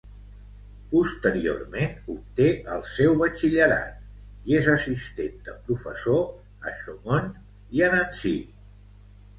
Posteriorment obté el seu Batxillerat, i és assistent de professor a Chaumont i a Nancy.